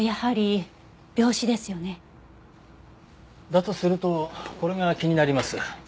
だとするとこれが気になります。